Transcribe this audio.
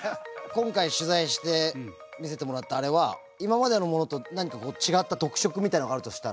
今回取材して見せてもらったあれは今までのものと何かこう違った特色みたいなのがあるとしたら？